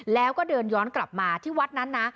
แล้วก็เดินย้อนกลับมาที่วัดนั้นนะ